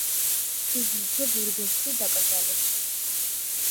იგი იქვე, ბურგოსში დაკრძალეს.